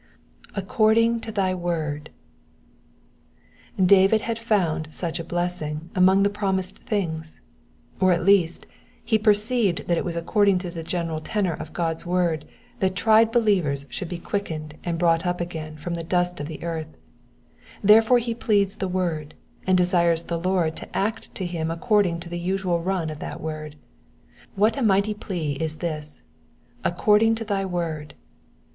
^'Accaj^ding to thy word,'''* David had found such a blessing among the promised things, or at least he perceived that it was according to the general tenor of God's word that tried believers should be quickened and brought up again from the dust of the earth ; there fore he pleads the word, and desires the Lord to act to him according to the u^al run of that word. What a mighty plea is this —according to thy word."